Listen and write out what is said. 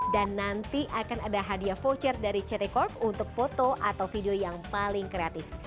dan nanti akan ada hadiah voucher dari ct corp untuk foto atau video yang paling kreatif